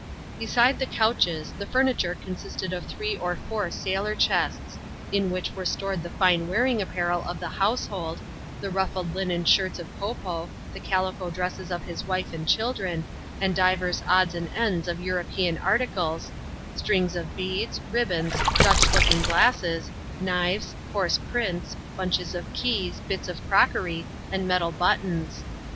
Beside the couches, the furniture consisted of three or four sailor chests ; in which were stored the fine wearing apparel of the household — the ruffled linen shirts of Po Po, the caKco dresses of his wife and children, and divers odds and ends of European articles — strings of beads, ribbons, Dutch looking glasses, knives, coarse prints, bunches of keys, bits of crockery, and metal buttons.